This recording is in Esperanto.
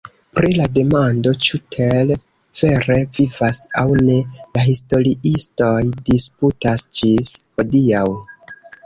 Pri la demando, ĉu Tell vere vivas aŭ ne, la historiistoj disputas ĝis hodiaŭ.